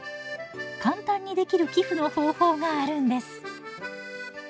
簡単にできる寄付の方法があるんです。